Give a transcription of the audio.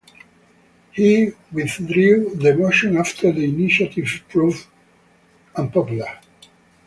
He withdrew the motion after the initiative proved unpopular.